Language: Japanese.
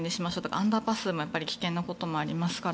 アンダーパスも危険なこともありますから。